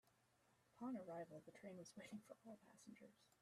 Upon arrival, the train was waiting for all passengers.